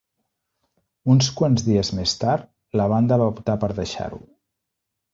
Uns quants dies més tard, la banda va optar per deixar-ho.